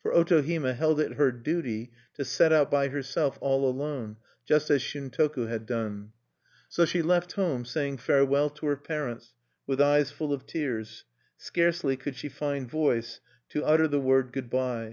For Otohime held it her duty to set out by herself all alone, just as Shuntoku had done. So she left home, saying farewell to her parents, with eyes full of tears: scarcely could she find voice to utter the word "good by."